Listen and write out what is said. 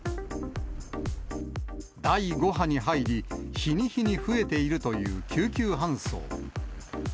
第５波に入り、日に日に増えているという救急搬送。